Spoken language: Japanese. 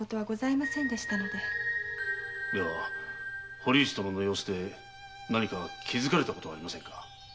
堀内殿の様子で何か気づかれた事はありませんか？